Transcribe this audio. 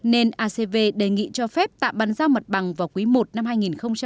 nên acv đề nghị cho phép tạm bắn giao mặt bằng vào quý i hai nghìn hai mươi